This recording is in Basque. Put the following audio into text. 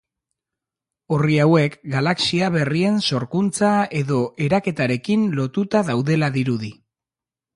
Orri hauek galaxia berrien sorkuntza edo eraketarekin lotuta daudela dirudi.